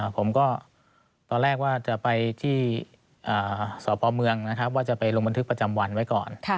ผมก็ตอนแรกว่าจะไปที่สพเมืองนะครับว่าจะไปลงบันทึกประจำวันไว้ก่อน